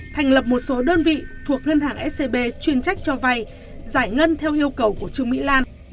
thành lập một số đơn vị thuộc ngân hàng scb chuyên trách cho vay giải ngân theo yêu cầu của trương mỹ lan